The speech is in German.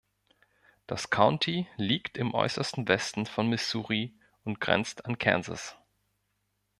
Das County liegt im äußersten Westen von Missouri und grenzt an Kansas.